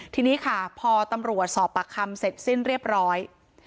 ทีนี้ค่ะพอตำรวจสอบปากคำเสร็จสิ้นเรียบร้อย